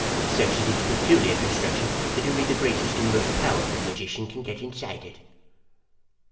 Such is its peculiar construction that only the greatest and most powerful magician can get inside of it."